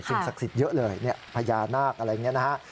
สิ่งศักดิ์ศักดิ์เยอะเลยพญานาคต์อะไรอย่างนี้นะฮะ